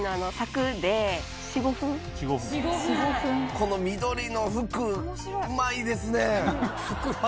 この緑の服うまいですね！